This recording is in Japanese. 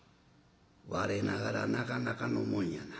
我ながらなかなかのもんやな。